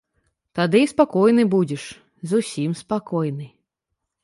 Тады і спакойны будзеш, зусім спакойны.